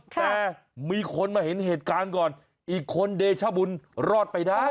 แต่มีคนมาเห็นเหตุการณ์ก่อนอีกคนเดชบุญรอดไปได้